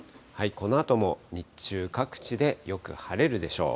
このあとも日中各地でよく晴れるでしょう。